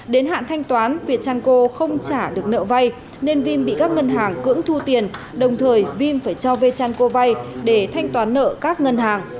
đến hạn thanh toán viettanko không trả được nợ vay nên vim bị các ngân hàng cưỡng thu tiền đồng thời vim phải cho viettanko vay để thanh toán nợ các ngân hàng